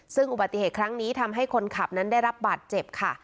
ซึ่งอุบัติเหตุครั้งนี้ทำให้คนขับนั้นได้รับบาดเจ็บค่ะ